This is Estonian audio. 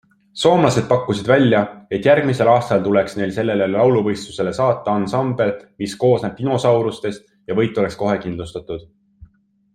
Soomlased pakkusid välja, et järgmisel aastal tuleks neil sellele lauluvõistlusele saata ansambel, mis koosneb dinosaurustest ja võit oleks kohe kindlustatud.